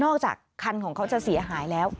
จากคันของเขาจะเสียหายแล้ว